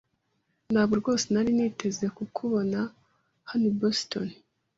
Ntabwo rwose nari niteze kukubona hano i Boston.